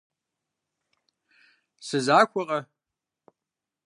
Сызахуэкъэ?